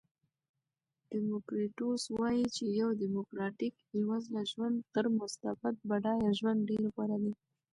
دیموکریتوس وایي چې یو دیموکراتیک بېوزله ژوند تر مستبد بډایه ژوند ډېر غوره دی.